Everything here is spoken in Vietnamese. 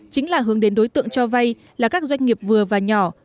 chính là hướng đến đối tượng cho vay là các doanh nghiệp vừa và nhỏ